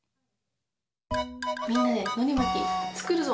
みんなでのりまきつくるぞ！